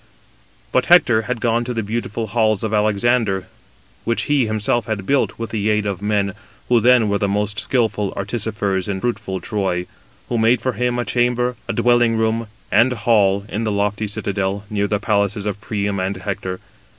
But Hector had gone to the beautiful halls of Alexander, which he himself had built with the aid of men, who then were the most skilful artificers in fruitful Troy: who made for him a chamber, a dwelling room, and hall, in the lofty citadel, near the palaces of Priam and Hector.